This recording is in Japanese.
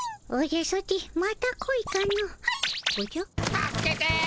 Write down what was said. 助けて！